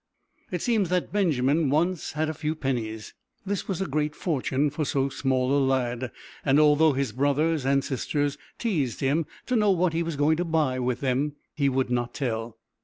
It seems that Benjamin once had a few pennies. This was a great fortune for so small a lad, and although his brothers and sisters teased him to know what he was going to buy with them, he would not tell.